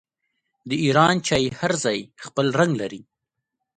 د ایران چای هر ځای خپل رنګ لري.